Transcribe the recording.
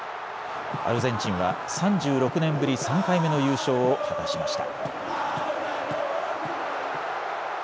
アルゼンチンは３６年ぶり３回目の優勝を果たしました。